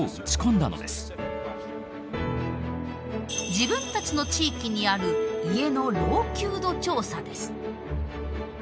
自分たちの地域にある家の老朽度調査です。